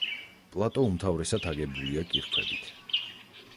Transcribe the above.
პლატო უმთავრესად აგებულია კირქვებით.